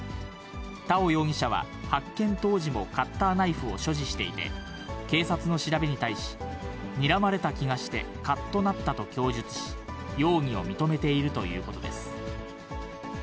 田尾容疑者は、発見当時もカッターナイフを所持していて、警察の調べに対し、にらまれた気がして、かっとなったと供述し、容疑を認めているということです。